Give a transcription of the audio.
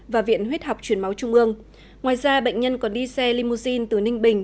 và viện huyết học truyền máu trung ương ngoài ra bệnh nhân còn đi xe limousine từ ninh bình